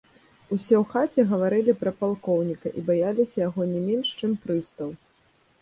Усе ў хаце гаварылі пра палкоўніка і баяліся яго не менш, чым прыстаў.